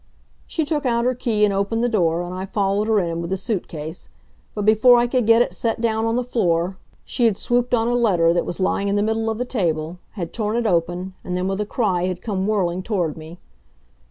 She took out her key and opened the door, and I followed her in with the suit case. But before I could get it set down on the floor, she had swooped on a letter that was lying in the middle of the table, had torn it open, and then with a cry had come whirling toward me.